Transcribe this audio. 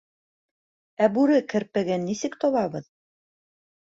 — Ә бүре керпеген нисек табабыҙ?